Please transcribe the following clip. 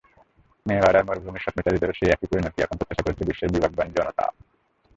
নেভাডার মরুভূমির স্বপ্নচারীদেরও সেই একই পরিণতি এখন প্রত্যাশা করছে বিশ্বের বিবেকবান জনতা।